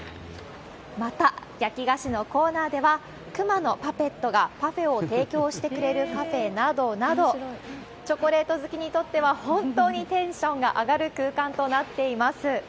また、焼き菓子のコーナーでは、クマのパペットがパフェを提供してくれるカフェなどなど、チョコレート好きにとっては本当にテンションが上がる空間となっています。